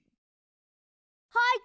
はい！